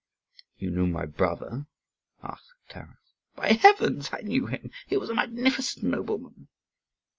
"You knew my brother?" asked Taras. "By heavens, I knew him. He was a magnificent nobleman."